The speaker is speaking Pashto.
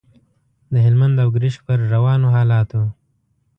د هلمند او ګرشک پر روانو حالاتو.